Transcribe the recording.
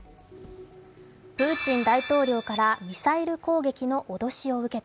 プーチン大統領からミサイル攻撃の脅しを受けた。